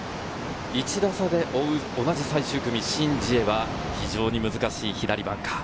１打差で覆う、同じ最終組、シン・ジエは非常に難しい左バンカー。